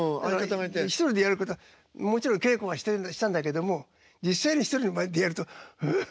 １人でやることはもちろん稽古はしたんだけども実際に１人の場合でやるとウフフフフッ。